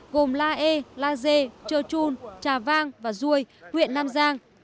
gồm la e la d chơ chun trà vang và duôi huyện nam giang